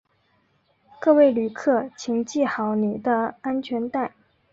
各位旅客请系好你的安全带